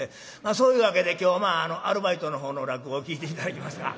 そういうわけで今日アルバイトの方の落語を聴いて頂きますが。